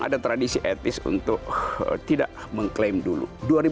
ada tradisi etis untuk tidak mengklaim dulu